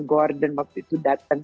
gordon waktu itu datang